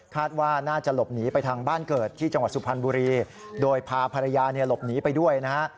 ว่าน่าจะหลบหนีไปทางบ้านเกิดที่จังหวัดสุพรรณบุรีโดยพาภรรยาเนี่ยหลบหนีไปด้วยนะฮะ